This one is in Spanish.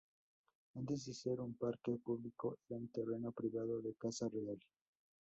Antes de ser un parque público, era un terreno privado de caza real.